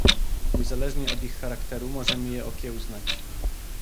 Niezależnie od ich charakteru możemy je okiełznać